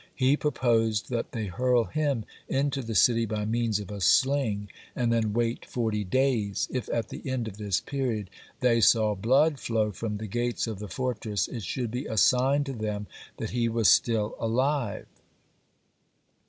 He proposed that they hurl him into the city by means of a sling, and then wait forty days. If at the end of this period they saw blood flow from the gates of the fortress, it should be a sign to them that he was still alive.